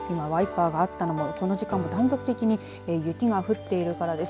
ワイパーがあったのはこの時間、断続的に雪が降っているからです。